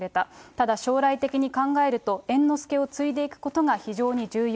ただ将来的に考えると、猿之助を継いでいくことが非常に重要。